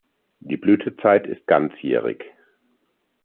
Die Blütezeit ist ganzjährig.